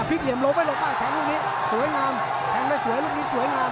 เหลี่ยมลงไม่ลงป่ะแทงลูกนี้สวยงามแทงได้สวยลูกนี้สวยงาม